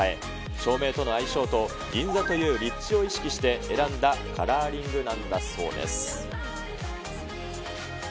照明との相性と、銀座という立地を意識して選んだカラーリングなんだそうです。